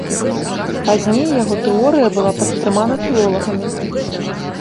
Пазней яго тэорыя была падтрымана філолагамі.